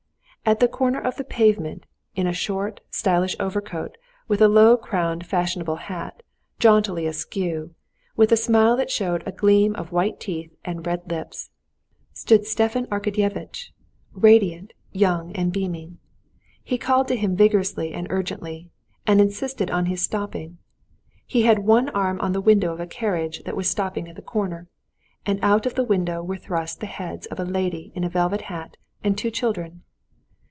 At the corner of the pavement, in a short, stylish overcoat and a low crowned fashionable hat, jauntily askew, with a smile that showed a gleam of white teeth and red lips, stood Stepan Arkadyevitch, radiant, young, and beaming. He called him vigorously and urgently, and insisted on his stopping. He had one arm on the window of a carriage that was stopping at the corner, and out of the window were thrust the heads of a lady in a velvet hat, and two children.